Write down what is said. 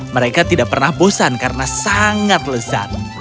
mereka tidak pernah bosan karena sangat lezat